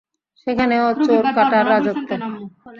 সেখানেও চোরকাঁটার রাজত্ব।